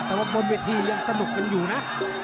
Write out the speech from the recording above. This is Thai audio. แต่ว่าบนเวทียังสนุกกันอยู่นะ